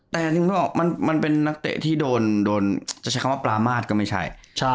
แต่อย่างที่ผมบอกมันเป็นนักเตะที่โดนจะใช้คำว่าปลามาสก็ไม่ใช่